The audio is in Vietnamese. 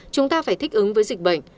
chúng ta phải thích ứng với dịch bệnh